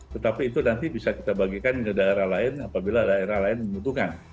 tetapi itu nanti bisa kita bagikan ke daerah lain apabila daerah lain membutuhkan